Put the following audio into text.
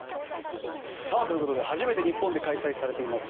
ということで初めて日本で開催されています